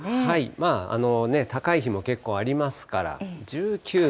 まあね、高い日もけっこうありますから、１９度。